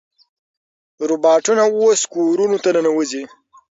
روباټونه اوس کورونو ته ننوځي.